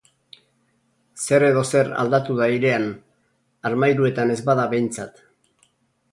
Zer edo zer aldatu da airean, armairuetan ez bada behintzat.